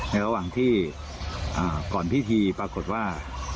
ระหว่างที่ก่อนพิธีปรากฏว่า